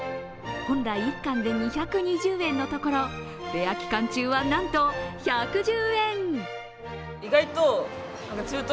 本来、１貫で２２０円のところフェア期間中はなんと１１０円。